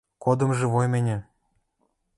Кодым живой мӹньӹ